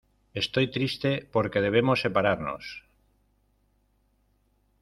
estoy triste porque debemos separarnos.